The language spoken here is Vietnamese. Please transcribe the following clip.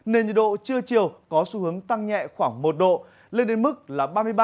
nền nhiệt độ trưa chiều có xu hướng tăng nhẹ khoảng một độ lên đến mức là ba mươi ba